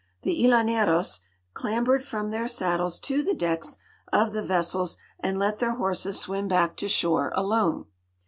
The llaneros clambered from their saddles to the decks of the vessels and let their houses swim back to shore alone.